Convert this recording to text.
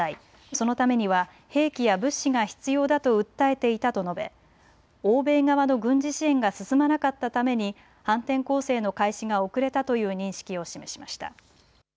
そのためには兵器や物資が必要だと訴えていたと述べ、欧米側の軍事支援が進まなかったために反転攻勢の開始が遅れたという認識を示しました。